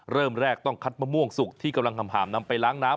เริ่มแรกต้องคัดมะม่วงสุกที่กำลังหามนำไปล้างน้ำ